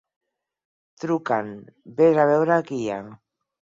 Truquen: ves a veure qui hi ha.